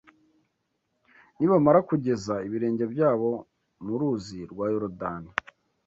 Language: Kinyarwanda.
Nibamara kugeza ibirenge byabo mu Ruzi rwa Yorodani